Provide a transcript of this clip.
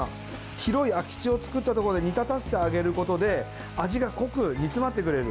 広い空き地を作ったところで煮立たせてあげることで味が濃く、煮詰まってくれる。